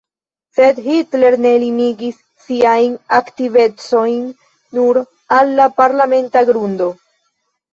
Sed Hitler ne limigis siajn aktivecojn nur al la parlamenta grundo.